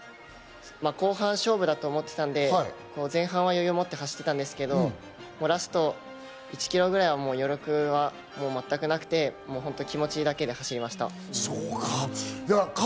後半勝負だと思っていたので、前半は余裕を持った走ってたんですけど、ラスト１ｋｍぐらいは余力はもう全くなくて、気持ちだけで走りました。